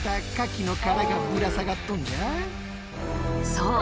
そう！